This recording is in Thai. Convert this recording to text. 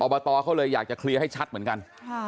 บตเขาเลยอยากจะเคลียร์ให้ชัดเหมือนกัน